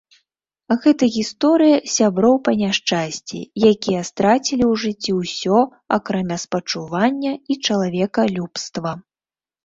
Гэта гісторыя сяброў па няшчасці, якія страцілі ў жыцці ўсё, акрамя спачування і чалавекалюбства.